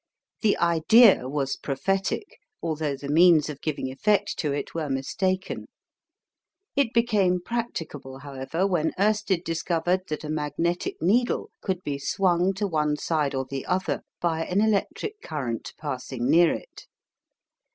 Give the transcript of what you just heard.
The idea was prophetic, although the means of giving effect to it were mistaken. It became practicable, however, when Oersted discovered that a magnetic needle could be swung to one side or the other by an electric current passing near it.